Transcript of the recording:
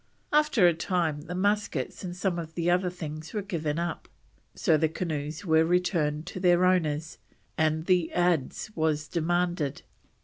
After a time the muskets and some of the other things were given up, so the canoes were returned to their owners, and the adze was demanded.